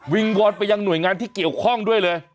วอนไปยังหน่วยงานที่เกี่ยวข้องด้วยเลย